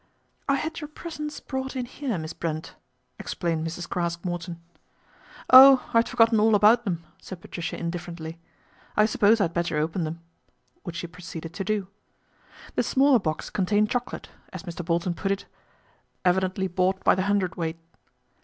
" I had your presents brought in here, Miss Brent," explained Mrs. Craske Morton. " Oh ! I had forgotten all about them," said Patricia indifferently, " I suppose I had better open them," which she proceeded to do. The smaller box contained chocolates, as Mr. Bolton put it, " evidently bought by the hundred weight."